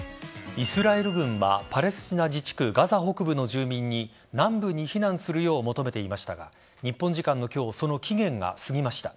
イスラエル軍はパレスチナ自治区ガザ北部の住民に南部に避難するよう求めていましたが日本時間の今日その期限が過ぎました。